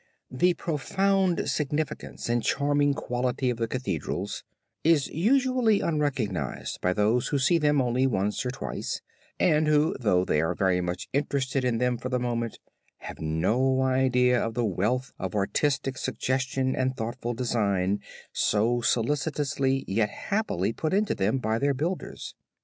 This profound significance and charming quality of the cathedrals is usually unrecognized by those who see them only once or twice, and who, though they are very much interested in them for the moment, have no idea of the wealth of artistic suggestion and of thoughtful design so solicitously yet happily put into them by their builders.